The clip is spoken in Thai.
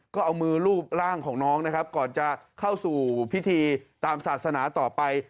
ก็เอามือรูปร่างของน้องนะครับก่อนจะเข้าสู่พิธีตามศาสนาต่อไป